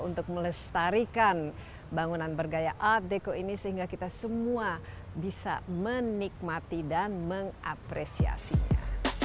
untuk melestarikan bangunan bergaya art deco ini sehingga kita semua bisa menikmati dan mengapresiasinya